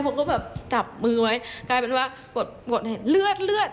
ผมก็จับมือไว้กลายเป็นว่ากดให้เลือดเลือด